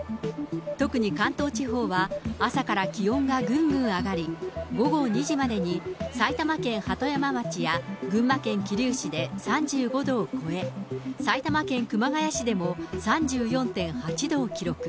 特に関東地方は朝から気温がぐんぐん上がり、午後２時までに埼玉県鳩山町や群馬県桐生市で３５度を超え、埼玉県熊谷市でも３４．８度を記録。